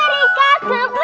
amalia jangan sampai kau